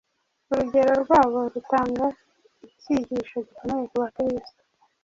Urugero rwabo rutanga icyigisho gikomeye ku Bakristo.